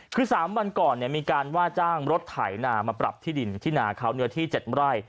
คือ๓วันก่อนมีการว่าจ้างรถไถนามาปรับที่ดินที่นาเขาเนื้อที่๗ไร่